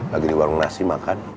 lagi di warung nasi makan